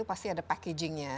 itu pasti ada packagingnya